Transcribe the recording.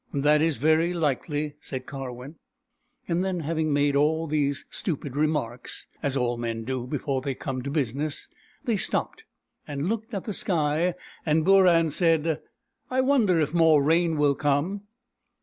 " That is very likel}^" said Karwin. Then, having made all these stupid remarks, as all men do before they come to business, they stopped, and looked at the sky, and Booran said, " I wonder if more rain will come